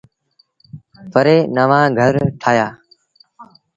وري نوآن گھر ٺآهيآ۔